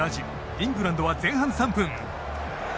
イングランドは前半３分。